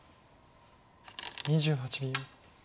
２８秒。